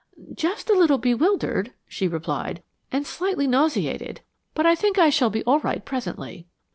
"Just a little bewildered," she replied, "and slightly nauseated, but I think I shall be all right presently."